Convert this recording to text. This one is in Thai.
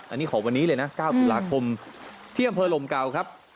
อันนี้ของวันนี้เลยนะ๙ตุลาคมที่อำเภอลมเก่าครับ